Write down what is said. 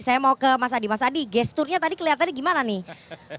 saya mau ke mas adi mas adi gesturnya tadi kelihatannya gimana nih